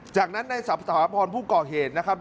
จากนั้นในสับสถาพรผู้ก่อเหตุนะครับ